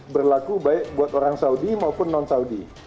berlaku baik buat orang saudi maupun non saudi